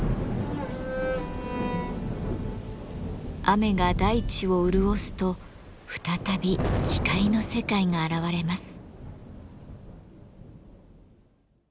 雨が大地を潤すと再び光の世界が現れます。